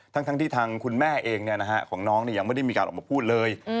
ทั้งที่ทางคุณแม่เองของน้องยังไม่ได้มีการออกมาพูดเลย